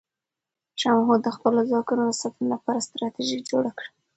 شاه محمود د خپلو ځواکونو د ساتنې لپاره ستراتیژي جوړه کړه.